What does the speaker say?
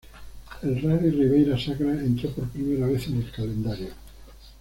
El Rally Ribeira Sacra entró por primera vez en el calendario.